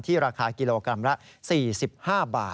ราคากิโลกรัมละ๔๕บาท